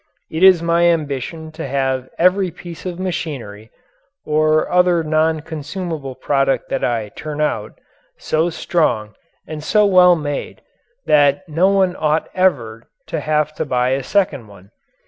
It is my ambition to have every piece of machinery, or other non consumable product that I turn out, so strong and so well made that no one ought ever to have to buy a second one.